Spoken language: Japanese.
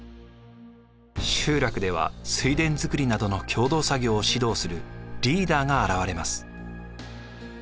集落では水田作りなどの共同作業を指導するリーダーが現れます。